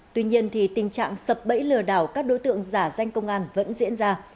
tuy nhiên tình trạng sập bẫy lừa đảo các đối tượng giả danh công an vẫn diễn ra